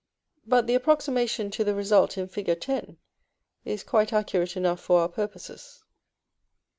but the approximation to the result in Fig. X. is quite accurate enough for our purposes.